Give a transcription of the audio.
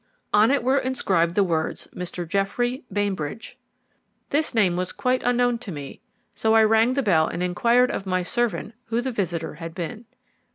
On it were inscribed the words, "Mr. Geoffrey Bainbridge." This name was quite unknown to me, so I rang the bell and inquired of my servant who the visitor had been.